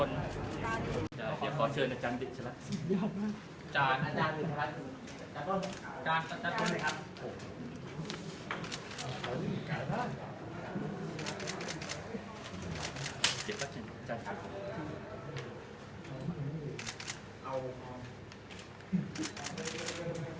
เดี๋ยวขอเชิญอาจารย์ดีอีกใช่ไหม